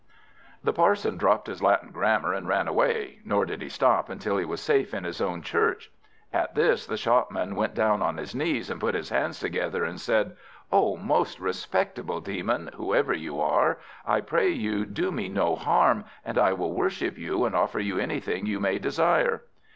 The Parson dropt his Latin Grammar, and ran away, nor did he stop until he was safe in his own church. At this the Shopman went down on his knees, and put his hands together, and said "O most respectable Demon! whoever you are, I pray you do me no harm; and I will worship you, and offer you anything you may desire."